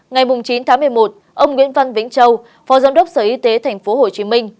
ngày chín tháng một mươi một ông nguyễn văn vĩnh châu phó giám đốc sở y tế tp hcm